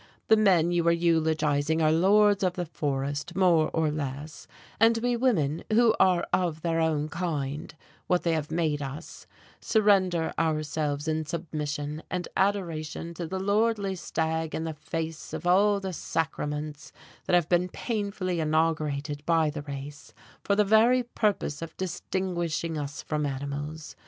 The men you were eulogizing are lords of the forest, more or less, and we women, who are of their own kind, what they have made us, surrender ourselves in submission and adoration to the lordly stag in the face of all the sacraments that have been painfully inaugurated by the race for the very purpose of distinguishing us from animals.